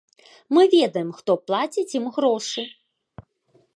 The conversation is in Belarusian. Мы ведаем, хто плаціць ім грошы.